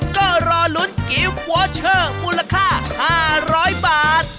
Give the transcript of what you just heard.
ก็รอลุ้นกิฟต์วอเชอร์มูลค่า๕๐๐บาท